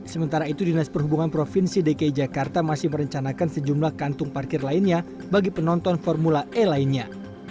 sementara itu dinas perhubungan provinsi dki jakarta masih merencanakan sejumlah kantung parkir lainnya bagi penonton formula e lainnya